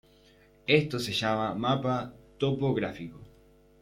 Esto se llama mapa topográfico.